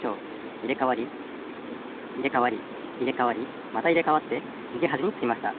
いれかわりいれかわりいれかわりまたいれかわってみぎはじにつきました。